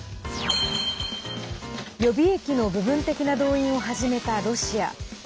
予備役の部分的な動員を始めたロシア。